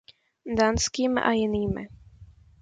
Dánským a jinými.